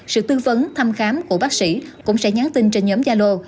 sự tư vấn thăm khám của bác sĩ cũng sẽ nhắn tin trên nhóm yalo